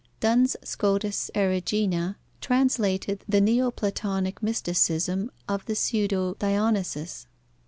Duns Scotus Erigena translated the Neoplatonic mysticism of the pseudo Dionysus.